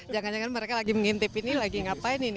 jangan jangan mereka lagi mengintip ini lagi ngapain ini